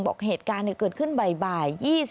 บอกเหตุการณ์เกิดขึ้นบ่าย